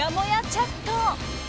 チャット。